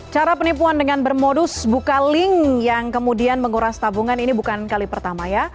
cara penipuan dengan bermodus buka link yang kemudian menguras tabungan ini bukan kali pertama ya